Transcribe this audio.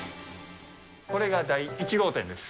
これが第１号店です。